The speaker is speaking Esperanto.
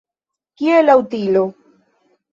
Kie la utilo?